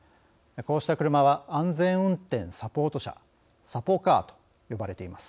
こうした車は「安全運転サポート車」「サポカー」と呼ばれています。